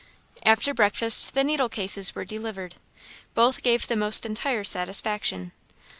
After breakfast the needlecases were delivered. Both gave the most entire satisfaction.